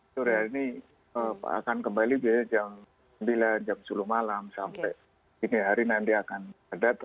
sore hari ini akan kembali biaya jam sembilan jam sepuluh malam sampai dini hari nanti akan padat